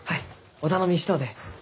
お頼みしとうて。